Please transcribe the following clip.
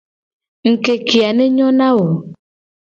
Ngukeke a ne nyo na wo.